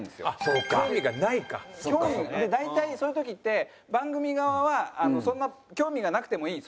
大体そういう時って番組側は「そんな興味がなくてもいい」